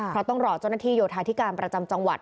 เพราะต้องรอเจ้าหน้าที่โยธาธิการประจำจังหวัด